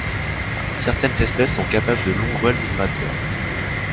Certaines espèces sont capables de longs vols migratoires.